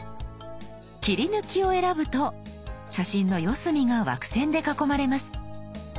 「切り抜き」を選ぶと写真の四隅が枠線で囲まれます。